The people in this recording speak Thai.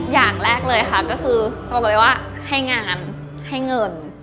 อย่างแรกเลยค่ะก็คือบอกเลยว่าให้งานให้เงิน